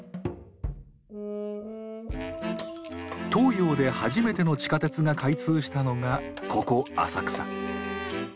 東洋で初めての地下鉄が開通したのがここ浅草。